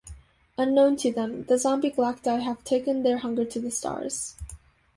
Unknown to them, the Zombie Galacti have taken their hunger to the stars.